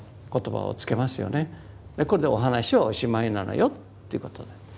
これでお話はおしまいなのよということで。